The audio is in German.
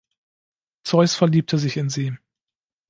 Zeus verliebte sich in sie.